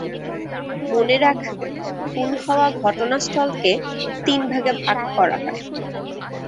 মনে রাখবে, খুন হওয়া ঘটনাস্থলকে তিন ভাগে ভাগ করা হয়।